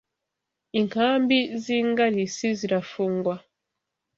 Inkambi z’ingarisi zirafungwa